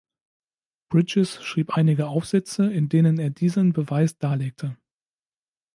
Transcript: Bridges schrieb einige Aufsätze, in denen er diesen Beweis darlegte.